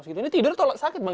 ini tidur tolak sakit bang